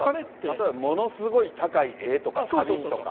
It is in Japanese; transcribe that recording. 例えばものすごい高い絵とか花瓶とか。